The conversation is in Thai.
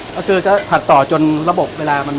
ก็คือจะผัดต่อจนระบบเวลามัน